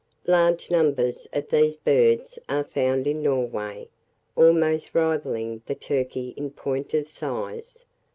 Large numbers of these birds are found in Norway, almost rivalling the turkey in point of size.